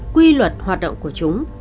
quy luật hoạt động của chúng